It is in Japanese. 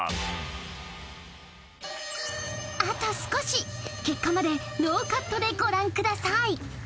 あと少し結果までノーカットでご覧ください